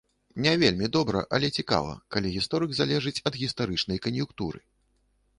Не вельмі добра, але цікава, калі гісторык залежыць ад гістарычнай кан'юнктуры.